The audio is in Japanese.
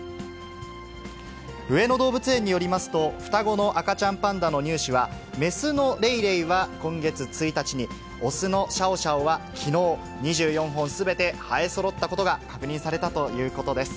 上野動物園によりますと、双子の赤ちゃんパンダの乳歯は、雌のレイレイは今月１日に、雄のシャオシャオはきのう、２４本すべて生えそろったことが確認されたということです。